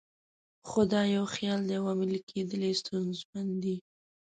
خو دا یو خیال دی او عملي کېدل یې ستونزمن دي.